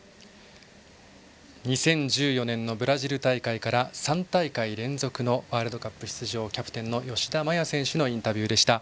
２０１４年のブラジル大会から３大会連続のワールドカップ出場キャプテンの吉田麻也選手のインタビューでした。